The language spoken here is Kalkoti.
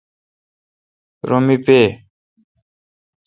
رو می پے۔